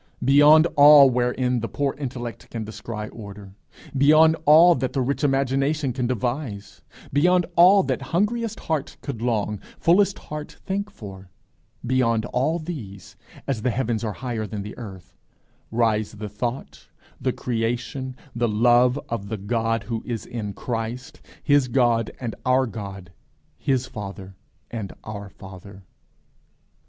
Beyond all wherein the poor intellect can descry order; beyond all that the rich imagination can devise; beyond all that hungriest heart could long, fullest heart thank for beyond all these, as the heavens are higher than the earth, rise the thought, the creation, the love of the God who is in Christ, his God and our God, his Father and our Father.